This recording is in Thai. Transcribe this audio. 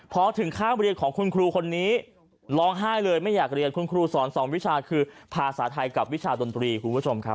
พอถึงข้ามเรียนของคุณครูคนนี้ร้องไห้เลยไม่อยากเรียนคุณครูสอนสองวิชาคือภาษาไทยกับวิชาดนตรีคุณผู้ชมครับ